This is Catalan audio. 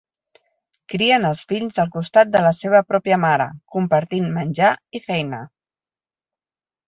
Crien els fils al costat la seva pròpia mare, compartint menjar i feina.